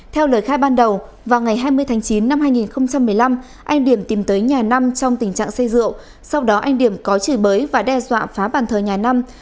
theo lời khai ban đầu vào ngày hai mươi tháng chín năm hai nghìn một mươi năm anh điểm tìm tới nhà năm trong tình trạng xây rượu sau đó anh điểm có chửi bới và đe dọa phá bàn thờ nhà năm